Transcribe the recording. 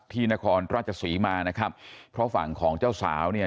นครราชศรีมานะครับเพราะฝั่งของเจ้าสาวเนี่ย